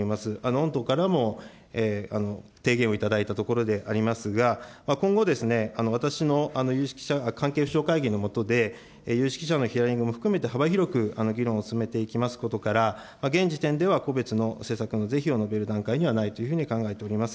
御党からも提言をいただいたところでありますが、今後ですね、私の有識者関係会議の下で、有識者のヒアリングも含めて、幅広く議論を進めていきますことから、現時点では個別の施策の是非を述べる段階にはないというふうに考えております。